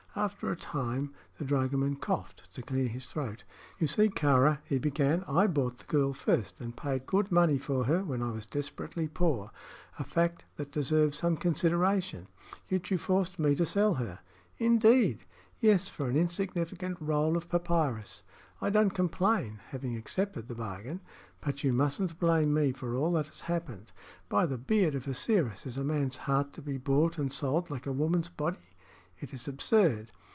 After a time the dragoman coughed to clear his throat. "You see, Kāra," he began, "I bought the girl first, and paid good money for her when I was desperately poor a fact that deserves some consideration; yet you forced me to sell her." "Indeed!" "Yes, for an insignificant roll of papyrus. I don't complain, having accepted the bargain; but you mustn't blame me for all that has happened. By the beard of Osiris! is a man's heart to be bought and sold like a woman's body? It is absurd."